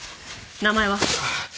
名前は？